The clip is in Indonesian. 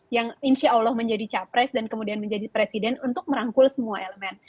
yang insya allah menjadi capres dan kemudian menjadi presiden untuk merangkul semua elemen